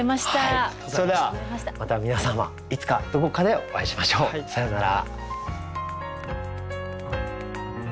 それではまた皆様いつかどこかでお会いしましょう。さようなら。